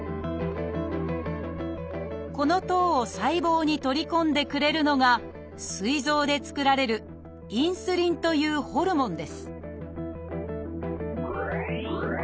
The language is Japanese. この糖を細胞に取り込んでくれるのがすい臓で作られる「インスリン」というホルモンです